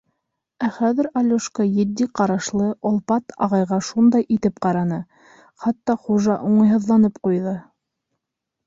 Ә хәҙер Алёшка етди ҡарашлы олпат ағайға шундай итеп ҡараны, хатта хужа уңайһыҙланып ҡуйҙы.